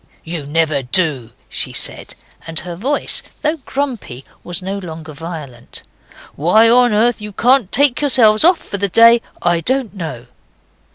'You never do,' she said, and her voice, though grumpy, was no longer violent. 'Why on earth you can't take yourselves off for the day I don't know.